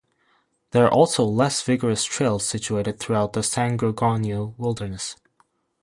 There are also other less vigorous trails situated throughout the San Gorgonio Wilderness.